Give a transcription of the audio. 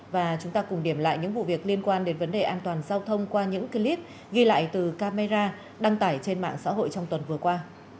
và chúng ta cùng điểm lại những vụ việc liên quan đến vấn đề an toàn giao thông qua những clip ghi lại từ camera đăng tải trên mạng xã hội trong tuần vừa qua